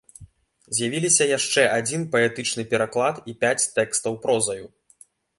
З'явіліся яшчэ адзін паэтычны пераклад і пяць тэкстаў прозаю.